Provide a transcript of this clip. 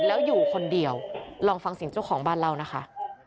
แล้วอยู่คนเดียวลองฟังเสียงเจ้าของบ้านเล่านะคะ